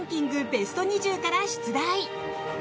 ベスト２０から出題。